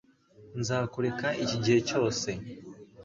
Nzakureka iki gihe cyose